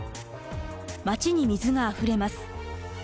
町に水があふれます。